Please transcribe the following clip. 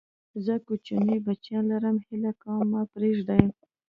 زه کوچني بچيان لرم، هيله کوم ما پرېږدئ!